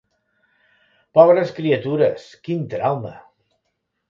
Pobres criatures, quin trauma!